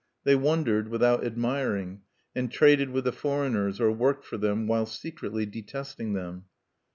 They wondered without admiring, and traded with the foreigners or worked for them, while secretly detesting them.